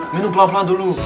minum pelan pelan dulu